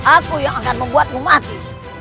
aku yang akan membuatmu mati